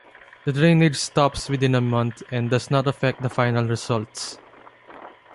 The drainage stops within a month and does not affect the final results.